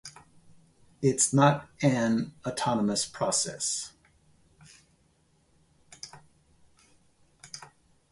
It's not an autonomous process.